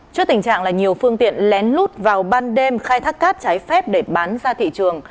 trước tình trạng là nhiều phương tiện lén lút vào ban đêm khai thác cát trái phép để bán ra thị trường